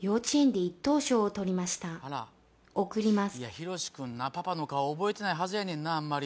ヒロシ君パパの顔覚えてないはずやねんなあまり。